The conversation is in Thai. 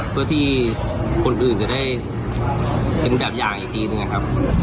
เพื่อที่คนอื่นจะได้เป็นแบบอย่างอีกทีหนึ่งนะครับ